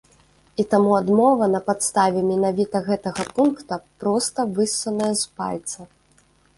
І таму адмова на падставе менавіта гэтага пункта проста выссаная з пальца.